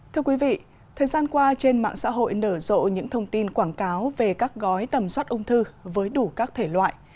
thưa quý vị thời gian qua trên mạng xã hội nở rộ những thông tin quảng cáo về các gói tầm soát ung thư với đủ các thể loại